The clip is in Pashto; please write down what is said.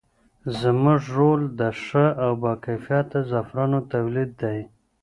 زموږ رول د ښه او باکیفیته زعفرانو تولید دی.